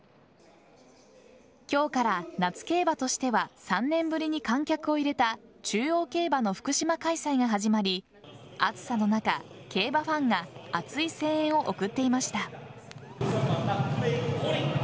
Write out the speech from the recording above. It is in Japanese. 今日から夏競馬としては３年ぶりに観客を入れた中央競馬の福島開催が始まり暑さの中、競馬ファンが熱い声援を送っていました。